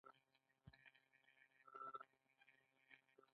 د افغانستان په منظره کې کلي ښکاره ده.